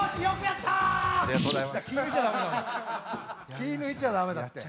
気ぃ抜いちゃ駄目だよお前。